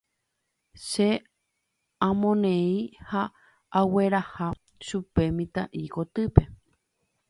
Che amoneĩ ha agueraha chupe mitã'i kotýpe.